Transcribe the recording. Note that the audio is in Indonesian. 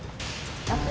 nggak boleh ketirak teran